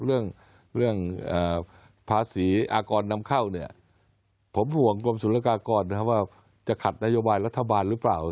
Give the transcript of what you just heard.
เรื่องภาษีอากรนำเข้าผมห่วงกรมศึกษากรว่าว่าจะขัดนโยบายรัฐบาลรึเปล่า